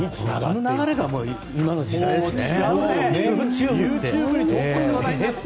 この流れが今の時代ですよね。